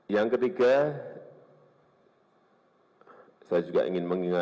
yang ketiga saya juga ingin mengingatkan